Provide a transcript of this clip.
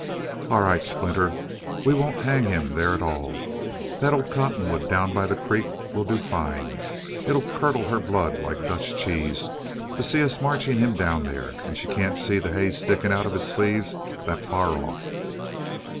"All right, Splinter. We won't hang him there at all. That old cottonwood down by the creek would do fine. It'll curdle her blood like Dutch cheese to see us marching him down there and she can't see the hay sticking out of his sleeves, that far off."